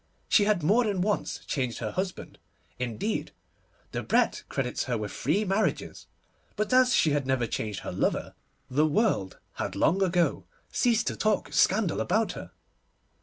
She had more than once changed her husband; indeed, Debrett credits her with three marriages; but as she had never changed her lover, the world had long ago ceased to talk scandal about her.